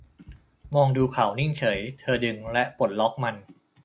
มองดูเขานิ่งเฉย เธอดึงและปลดล็อกมัน